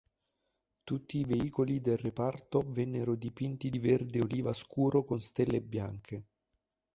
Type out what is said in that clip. Tutti i veicoli del reparto vennero dipinti di verde oliva scuro con stelle bianche.